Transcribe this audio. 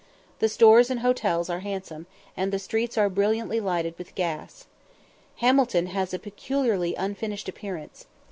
The stores and hotels are handsome, and the streets are brilliantly lighted with gas. Hamilton has a peculiarly unfinished appearance.